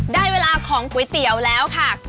ได้เวลาของก๋วยเตี๋ยวแล้วค่ะ